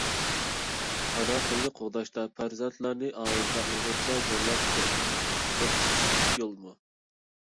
ئانا تىلنى قوغداشتا پەرزەنتلەرنى ئائىلىدە ئۇيغۇرچىغا زورلاش بىردىنبىر چىقىش يولىمۇ؟